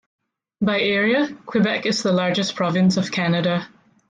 By area, Quebec is the largest province of Canada.